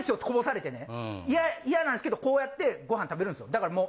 こぼされてね嫌なんですけどこうやってごはん食べるんですよ。